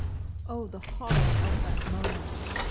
Oh, the horror of that moment